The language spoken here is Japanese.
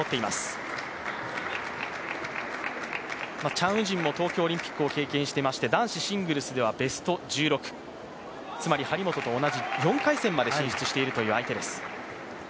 チャン・ウジンも東京オリンピックを経験していまして男子シングルスではベスト１６、つまり張本と同じ４回戦まで進出している相手です。